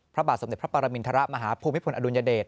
พระบาทสมเด็จพระปรมินทรมาฮภูมิพลอดุลยเดช